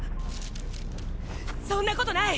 そんなことない！！